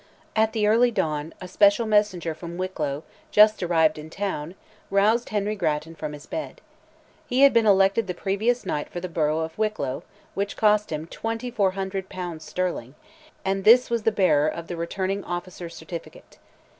At the early dawn, a special messenger from Wicklow, just arrived in town, roused Henry Grattan from his bed. He had been elected the previous night for the borough of Wicklow, (which cost him 2,400 pounds sterling), and this was the bearer of the returning officer's certificate.